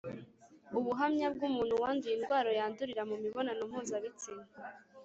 Ubuhamya bw’umuntu wanduye indwara yandurira mu mibonano mpuzabitsina